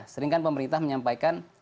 seringkan pemerintah menyampaikan